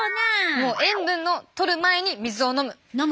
もう塩分のとる前に水を飲む。